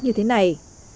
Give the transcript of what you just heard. như thế này